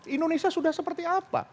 indonesia sudah seperti apa